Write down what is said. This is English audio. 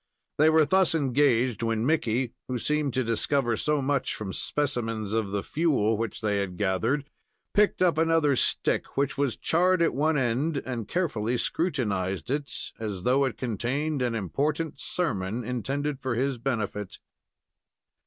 They were thus engaged when Mickey, who seemed to discover so much from specimens of the fuel which they had gathered, picked up another stick, which was charred at one end, and carefully scrutinized it, as though it contained an important sermon intended for his benefit.